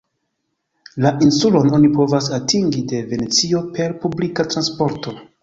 La insulon oni povas atingi de Venecio per publika transporto.